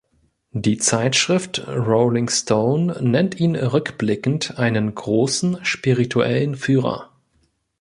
Die Zeitschrift "Rolling Stone" nennt ihn rückblickend einen „großen spirituellen Führer“.